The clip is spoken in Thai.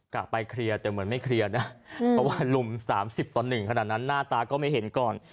กลับไปเคลียร์แต่เหมือนไม่เคลียร์นะเพราะว่าลุม๓๐ต่อ๑ขนาดนั้นหน้าตาก็ไม่เห็นก่อน